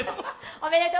おめでとう！